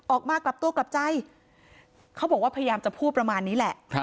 กลับตัวกลับใจเขาบอกว่าพยายามจะพูดประมาณนี้แหละ